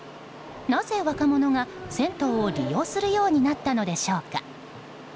なぜ若者が銭湯を利用するようになったのでしょうか。